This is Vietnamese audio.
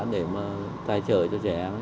để mà tài trợ cho trẻ em